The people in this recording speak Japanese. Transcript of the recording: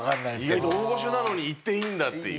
意外と大御所なのにいっていいんだっていう？